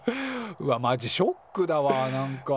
うわっマジショックだわなんか。